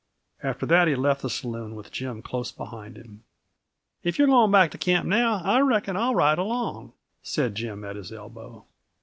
After that he left the saloon, with Jim close behind him. "If you're going back to camp now, I reckon I'll ride along," said Jim, at his elbow.